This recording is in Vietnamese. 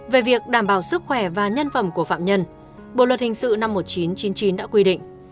về việc đảm bảo sức khỏe và nhân phẩm của phạm nhân bộ luật hình sự năm một nghìn chín trăm chín mươi chín đã quy định